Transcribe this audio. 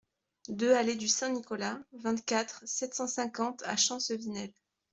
deux allée du Saint-Nicolas, vingt-quatre, sept cent cinquante à Champcevinel